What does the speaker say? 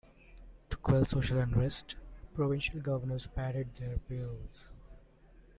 To quell social unrest, provincial governors padded their payrolls.